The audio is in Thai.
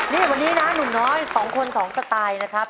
นี่วันนี้นะหนุ่มน้อย๒คน๒สไตล์นะครับ